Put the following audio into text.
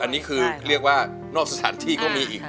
อันนี้คือเรียกว่านอกสถานที่ก็มีอีก